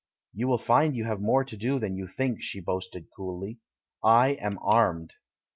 "You will find you have more to do than you think," she boasted, coolly; "I am armed."